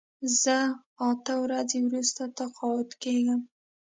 زه اته ورځې وروسته تقاعد کېږم.